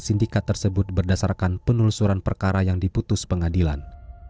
sindikat tersebut berdasarkan penelusuran perkara yang diputus pengadilan